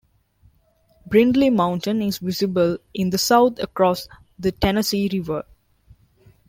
Brindley Mountain is visible in the south across the Tennessee River.